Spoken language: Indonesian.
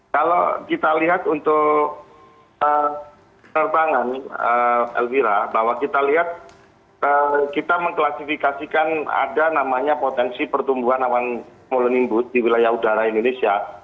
kalau kita lihat untuk penerbangan elvira bahwa kita lihat kita mengklasifikasikan ada namanya potensi pertumbuhan awan mulunimbus di wilayah udara indonesia